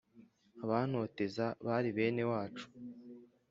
Abantotezaga bari bene wacu.